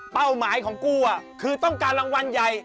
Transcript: หมายของกู้คือต้องการรางวัลใหญ่